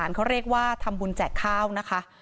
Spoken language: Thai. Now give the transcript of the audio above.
เพลงที่สุดท้ายเสียเต้ยมาเสียชีวิตค่ะ